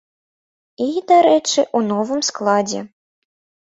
І, дарэчы, у новым складзе.